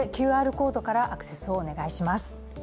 ＱＲコードからアクセスをお願いします。